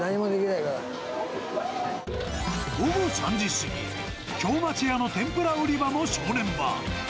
午後３時過ぎ、京町屋の天ぷら売り場も正念場。